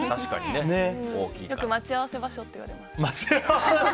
よく待ち合わせ場所って呼ばれます。